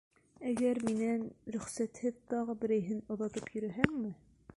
Әгәр минән рөхсәтһеҙ тағы берәйһен оҙатып йөрөһәңме!..